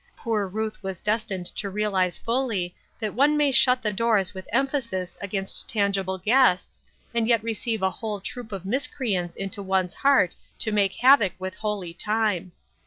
Poor Ruth was destined to realize fully that one may shut the doors with emphasis against tangible guests, and yet receive a whole troop of miscreants into one's heart who make havoc with holy time.